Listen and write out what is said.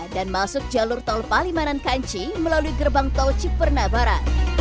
dan masuk jalur tol palimanan kanci melalui gerbang tol cipernabara